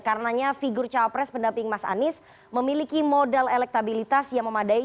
karenanya figur cawapres pendamping mas anies memiliki modal elektabilitas yang memadai